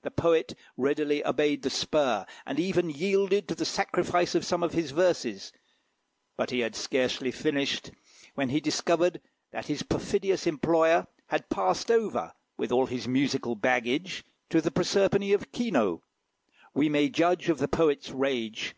The poet readily obeyed the spur, and even yielded to the sacrifice of some of his verses; but he had scarcely finished, when he discovered that his perfidious employer had passed over, with all his musical baggage, to the Proserpine of Quinault. We may judge of the poet's rage.